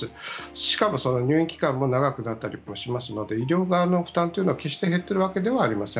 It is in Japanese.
しかも入院期間が長くなったりもしますので医療側の負担というのは決して減っているわけではありません。